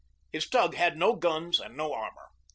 His tug had no guns and no armor.